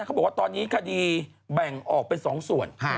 เขาบอกว่าตอนนี้คดีแบ่งออกเป็น๒ส่วน